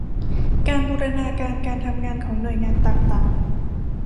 การบูรณาการการทำงานของหน่วยงานต่างต่าง